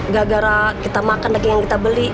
gara gara kita makan daging yang kita beli